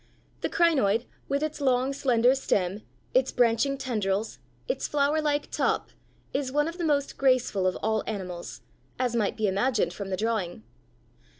The crinoid, with its long slender stem, its branching tendrils, its flowerlike top, is one of the most graceful of all animals, as might be imagined from the drawing.